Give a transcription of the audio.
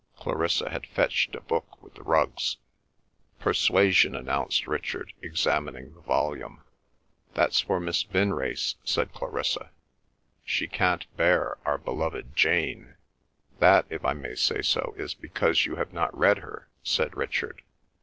Clarissa had fetched a book with the rugs. "Persuasion," announced Richard, examining the volume. "That's for Miss Vinrace," said Clarissa. "She can't bear our beloved Jane." "That—if I may say so—is because you have not read her," said Richard.